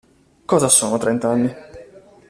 Cosa sono trent'anni?